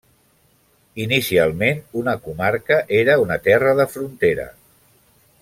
Inicialment una comarca era una terra de frontera.